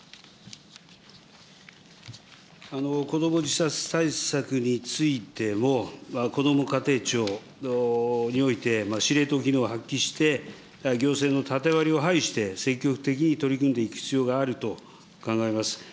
子ども自殺対策についても、こども家庭庁において、司令塔機能を発揮して、行政の縦割りを廃して、積極的に取り組んでいく必要があると考えます。